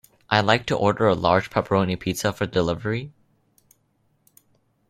I'd like to order a large pepperoni pizza for delivery.